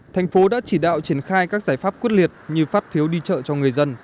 thành phố đã chỉ đạo triển khai các giải pháp quyết liệt như phát phiếu đi chợ cho người dân